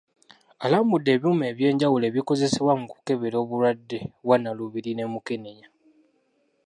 Alambudde ebyuma ebyenjawulo ebikozesebwa mu kukebera obulwadde bwa Nalubiri ne mukenenya.